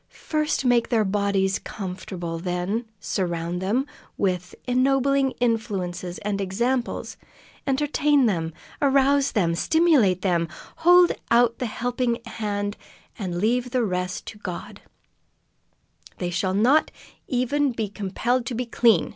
First make their bodies comfortable, then surround them with ennobling influences and examples, entertain them, arouse them, stimulate them, hold out the helping hand, and leave the rest to God. "They shall not even be compelled to be clean!"